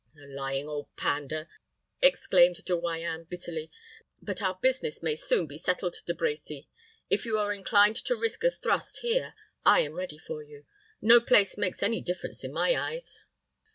"The lying old pander!" exclaimed De Royans, bitterly. "But our business may be soon settled, De Brecy. If you are inclined to risk a thrust here, I am ready for you. No place makes any difference in my eyes."